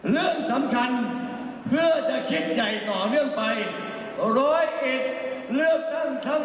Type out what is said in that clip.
เรื่องสำคัญเพื่อจะคิดใหญ่ต่อเนื่องไปร้อยเอ็ดเลือกตั้งครั้ง